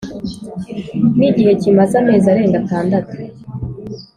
n igihe kimaze amezi arenga atandatu